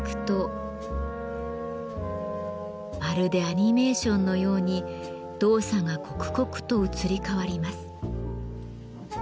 まるでアニメーションのように動作が刻々と移り変わります。